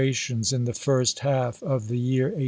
tions in the first half of the year 1862.